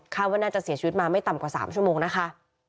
ว่าน่าจะเสียชีวิตมาไม่ต่ำกว่า๓ชั่วโมงนะคะ